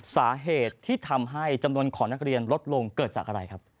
สาเหตุที่ทำให้จำนวนของนักเรียนลดลงเกิดจากอะไรครับ